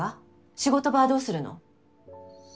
仕事場はどうするの？